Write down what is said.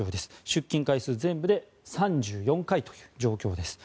出金回数全部で３４回という状況です。